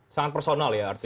sangat personal ya artinya